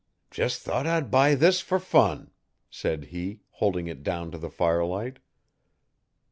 'Jes' thought I'd buy this fer fun,' said he, holding it down to the firelight.